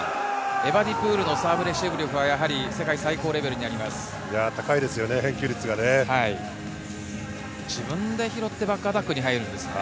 エバディプールのサーブレシーブは世界最高レベ高いですよね。